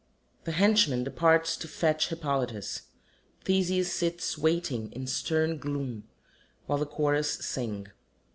[The HENCHMAN departs to fetch HIPPOLYTUS; THESEUS sits waiting in stern gloom, while the CHORUS _sing.